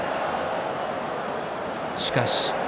しかし。